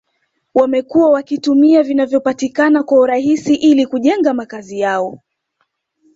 wamekuwa wakitumia vinavyopatikana kwa urahisi ili kujenga makazi yao